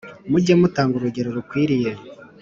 mujye mutanga urugero rukwiriye